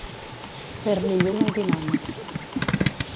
Fer-li llum al dimoni.